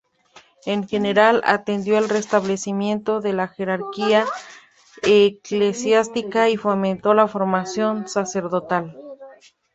En general, atendió el restablecimiento de la jerarquía eclesiástica y fomentó la formación sacerdotal.